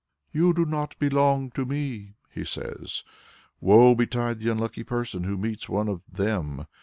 "You do not belong to Me," He says. Woe betide the unlucky person who meets one of "them."